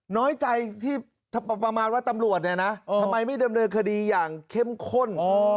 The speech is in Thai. น้อยใจที่ประมาณว่าตำรวจเนี่ยนะทำไมไม่ดำเนินคดีอย่างเข้มข้น